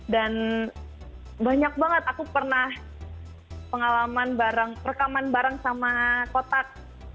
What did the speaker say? dan banyak banget aku pernah pengalaman rekaman bareng sama kotak